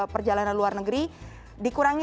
perjalanan luar negeri dikurangi